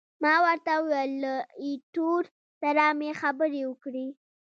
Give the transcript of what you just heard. ما ورته وویل، له ایټور سره مې خبرې وکړې.